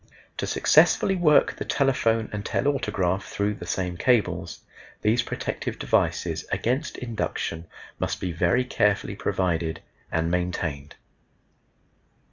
To successfully work the telephone and telautograph through the same cables, these protective devices against induction must be very carefully provided and maintained.